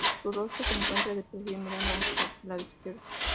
Su rostro se encuentra de perfil mirando hacia su lado izquierdo.